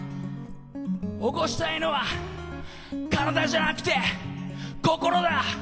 起こしたいのは体じゃなくて心だ。